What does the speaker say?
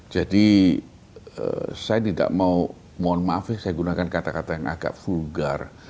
jadi saya tidak mau mohon maaf ya saya gunakan kata kata yang agak vulgar